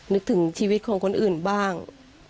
นึกถึงชีวิตของคนอื่นบ้าง